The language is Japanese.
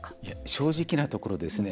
正直なところですね